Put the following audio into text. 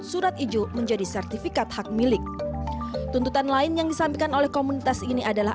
surat ijo menjadi sertifikat hak milik tuntutan lain yang disampaikan oleh komunitas ini adalah